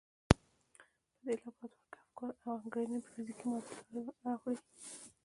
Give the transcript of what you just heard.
په دې لابراتوار کې افکار او انګېرنې پر فزيکي معادل اوړي.